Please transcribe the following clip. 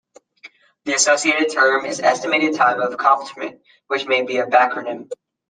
The associated term is "estimated time of accomplishment", which may be a backronym.